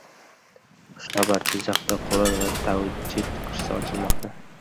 Xushxabar: Jizzaxda "Qur’on va tajvid" kursi ochilmoqda